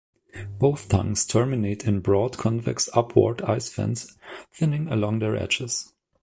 Both tongues terminate in broad convex-upward ice fans thinning along their edges.